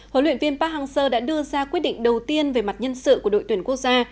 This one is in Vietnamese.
huấn luyện viên park hang seo đã đưa ra quyết định đầu tiên về mặt nhân sự của đội tuyển quốc gia